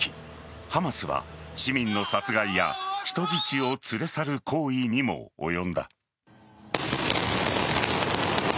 ハマスは市民の殺害や人質を連れ去る行為にも及んだ。